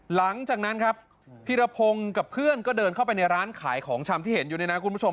หลังจากนั้นครับพีรพงศ์กับเพื่อนก็เดินเข้าไปในร้านขายของชำที่เห็นอยู่นี่นะคุณผู้ชม